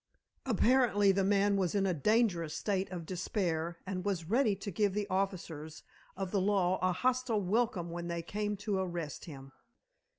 Apparently the man was in a dangerous state of despair and was ready to give the officers of the law a hostile welcome when they came to arrest him.